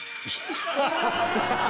「ハハハハ！」